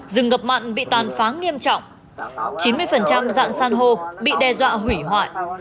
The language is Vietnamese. rừng ngập mặn bị tàn phá nghiêm trọng chín mươi dạng san hô bị đe dọa hủy hoại